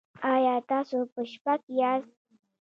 ایا تاسو په شپه کې یاست؟